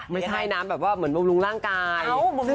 ไม่ใช่น้ำแบบบำรุงร่างกาย